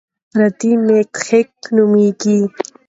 پردی ملک خیګ نومېږي.